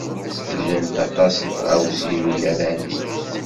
Llant aṭas n tɣawsiwin ara neg!